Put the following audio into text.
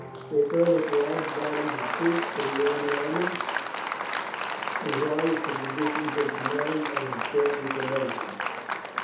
They furnish large bodies of troops to the Roman armies, and rise to positions of command and importance among them.